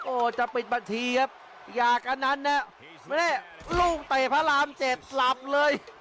โอ้จะปิดบัตรทีครับอยากกันนั้นไม่ได้ลูกเตะพระรามเจ็ดหลับเลย